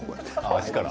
足から？